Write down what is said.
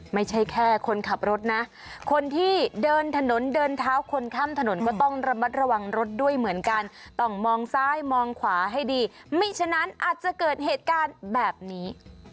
ไม่ใช่แค่คนขับรถนะคนที่เดินถนนเดินเท้าคนข้ามถนนก็ต้องระมัดระวังรถด้วยเหมือนกันต้องมองซ้ายมองขวาให้ดีไม่ฉะนั้นอาจจะเกิดเหตุการณ์แบบนี้